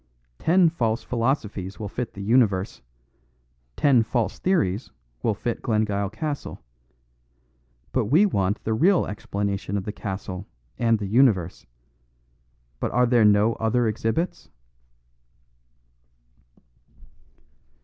Ten false philosophies will fit the universe; ten false theories will fit Glengyle Castle. But we want the real explanation of the castle and the universe. But are there no other exhibits?"